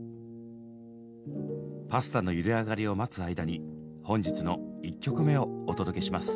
パスタのゆで上がりを待つ間に本日の１曲目をお届けします。